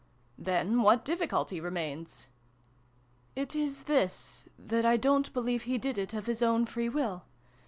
" Then what difficulty remains ?"" It is this, that I don't believe he did it of his own free will.